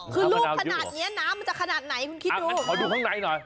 คือลูกขนาดเนี้ยน้ำมันจะขนาดไหนคุณคิดดูขอดูข้างในหน่อย